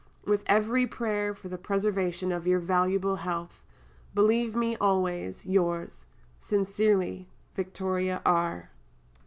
And with every prayer for the preservation of your valuable health, believe me, always, yours sincerely, VICTORIA R.